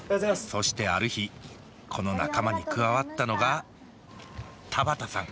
そしてある日この仲間に加わったのが田畑さん。